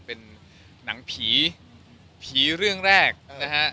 เป็นหนังผีผีเรื่องแรกนะฮะ